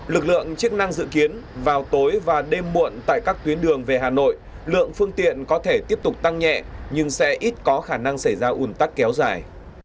lực lượng chức năng dự kiến vào tối và đêm muộn tại các tuyến đường về hà nội lượng phương tiện có thể tiếp tục tăng nhẹ nhưng sẽ ít có khả năng xảy ra ủn tắc kéo dài